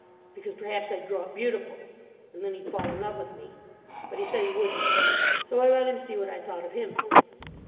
Because perhaps I'd grow up beautiful. And then he'd fall in love with me. But he said he wouldn't. So I let him see what I thought of him.